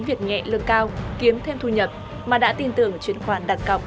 việc nhẹ lương cao kiếm thêm thu nhập mà đã tin tưởng chuyển khoản đặt cọc